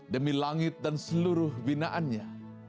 demi langit dan seluruh binaannya